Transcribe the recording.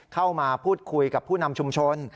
เข้ามาพูดคุยกับผู้นำชุมชน